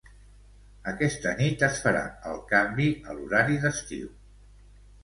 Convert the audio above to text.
Aquesta nit es farà el canvi a l'horari d'estiu.